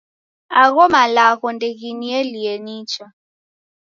Agho malagho ndeginielie nicha.